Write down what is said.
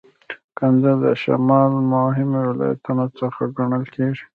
کندز د شمال د مهمو ولایتونو څخه ګڼل کیږي.